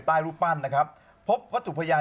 รูปปั้นนะครับพบวัตถุพยาน